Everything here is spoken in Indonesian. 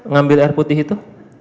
ngambil air putih itu